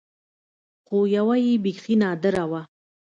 خو يوه يې بيخي نادره وه.